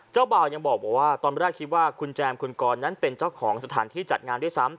บ่าวยังบอกว่าตอนแรกคิดว่าคุณแจมคุณกรนั้นเป็นเจ้าของสถานที่จัดงานด้วยซ้ำ